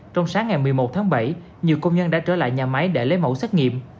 trong sáng ngày một mươi một tháng bảy nhiều công nhân đã trở lại nhà máy để lấy mẫu xét nghiệm